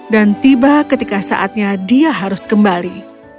dan tiba ketika saatnya dia harus kembali